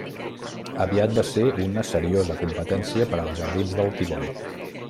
Aviat va ser una seriosa competència per als Jardins del Tívoli.